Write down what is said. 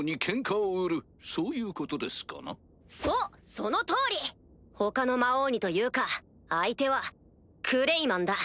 その通り！他の魔王にというか相手はクレイマンだ。